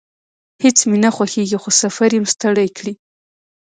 هیڅ مې نه خوښیږي، خو سفر یم ستړی کړی